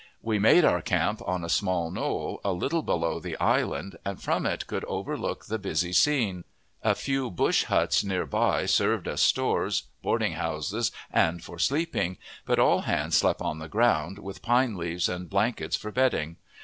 We made our camp on a small knoll, a little below the island, and from it could overlook the busy scene. A few bush huts near by served as stores, boardinghouses, and for sleeping; but all hands slept on the ground, with pine leaves and blankets for bedding.